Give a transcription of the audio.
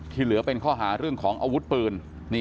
เหลือเป็นข้อหาเรื่องของอาวุธปืน